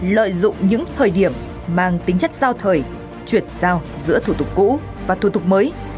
lợi dụng những thời điểm mang tính chất giao thời chuyển giao giữa thủ tục cũ và thủ tục mới